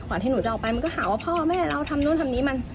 ที่หนูจะออกไปมันก็หาว่าพ่อแม่เราทำนู่นทำนี่มัน